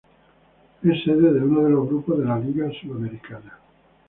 Es sede de uno de los grupos de la Liga Sudamericana.